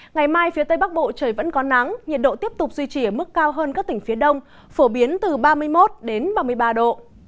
ngày mai phía tây bắc bộ trời vẫn có nắng nhiệt độ tiếp tục duy trì ở mức cao hơn các tỉnh phía đông phổ biến từ ba mươi một đến ba mươi ba độ